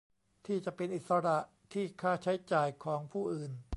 ที่จะเป็นอิสระที่ค่าใช้จ่ายของผู้อื่น